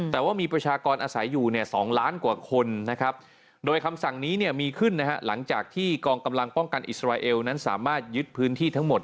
แต่ว่ามีประชากรอาศัยอยู่เนี่ย๒ล้านกว่าคนนะครับ